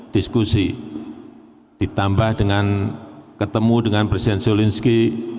diskusi ditambah dengan ketemu dengan presiden zelensky